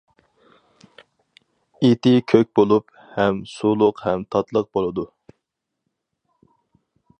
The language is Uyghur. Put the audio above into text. ئېتى كۆك بولۇپ، ھەم سۇلۇق ھەم تاتلىق بولىدۇ.